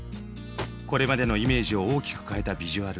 これまでのイメージを大きく変えたビジュアル。